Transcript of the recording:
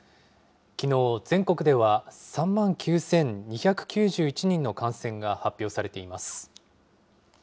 きのう、全国では３万９２９１人の感染が発表されています。